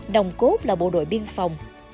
đồng cốt là bộ đội biên phòng